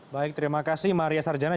baik terima kasih maria sarjana